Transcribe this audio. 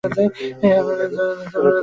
যারা খোঁটা দিলে, টাকার জোরে তাদের গলার জোর।